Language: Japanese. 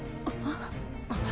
あっ。